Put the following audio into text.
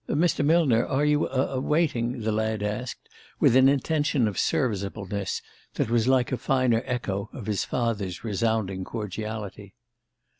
"Mr. Millner? Are you er waiting?" the lad asked, with an intention of serviceableness that was like a finer echo of his father's resounding cordiality.